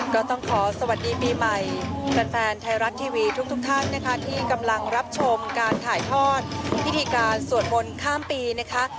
ก็ต้องขอสวัสดีปีใหม่แฟนไทยรัฐทีวีทุกท่านนะคะที่กำลังรับชมการถ่ายทอดพิธีการสวดมนต์ข้ามปีนะคะ